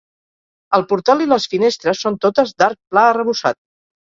El portal i les finestres són totes d'arc pla arrebossat.